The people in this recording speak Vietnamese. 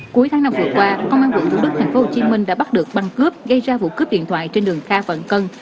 cuối tháng năm vừa qua công an quận thủ đức tp hcm đã bắt được băng cướp gây ra vụ cướp điện thoại trên đường kha phận cân